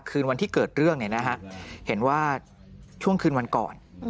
คืนวันที่เกิดเรื่องเห็นว่าช่วงคืนวันก่อน